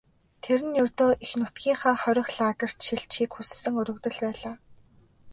Тэр нь ердөө эх нутгийнхаа хорих лагерьт шилжихийг хүссэн өргөдөл байлаа.